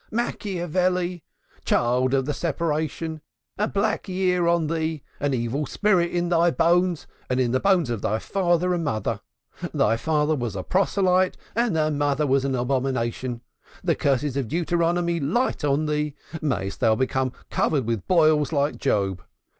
Machiavelli! Child of the separation! A black year on thee! An evil spirit in thy bones and in the bones of thy father and mother. Thy father was a proselyte and thy mother an abomination. The curses of Deuteronomy light on thee. Mayest thou become covered with boils like Job!